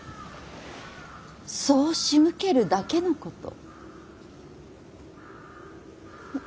そうしむけるだけのこと。